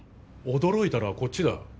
驚いたのはこっちだ。